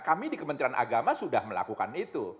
kami di kementerian agama sudah melakukan itu